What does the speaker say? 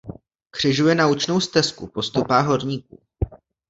Křižuje naučnou stezku Po stopách horníků.